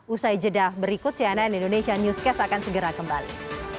usai jeda berikut cnn indonesia newscast akan segera kembali